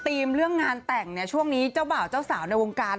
เรื่องงานแต่งเนี่ยช่วงนี้เจ้าบ่าวเจ้าสาวในวงการ